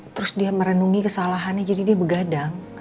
terus dia merenungi kesalahannya jadi dia begadang